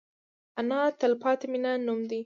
انا د تلپاتې مینې نوم دی